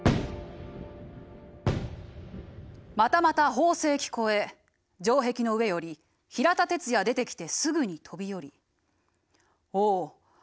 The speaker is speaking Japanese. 「またまた炮声聞こえ城壁の上より比良田鉄哉出てきてすぐに飛び下り」。